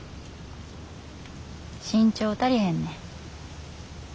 身長足りへんねん。